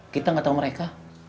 kita gak tau mereka